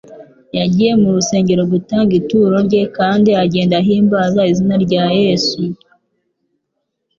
yagiye mu rusengero gutanga ituro rye, kandi agenda ahimbaza izina rya Yesu.